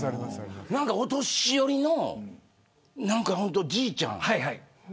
何かお年寄りの何か、本当じいちゃん。